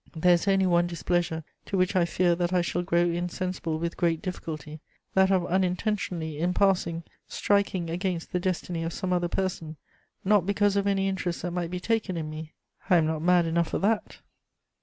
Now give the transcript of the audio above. There is only one displeasure to which I fear that I shall grow insensible with great difficulty, that of unintentionally, in passing, striking against the destiny of some other person, not because of any interest that might be taken in me: I am not mad enough for that."